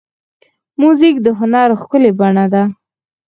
موزیک د هنر ښکلې بڼه ده.